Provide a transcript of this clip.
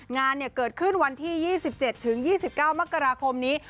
งานเกิดขึ้นวันที่๒๗๒๙มกราคมนี้